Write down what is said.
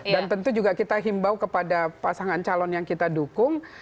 dan tentu juga kita himbau kepada pasangan calon yang kita dukung